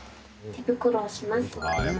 手袋をします。